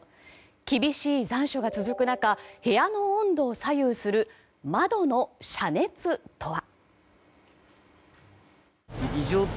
厳しい残暑が続く中部屋の温度を左右する窓の遮熱とは？